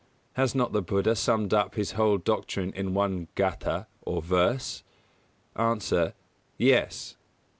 Has not the Buddha summed up his whole doctrine in one gāthā, or verse? A. Yes.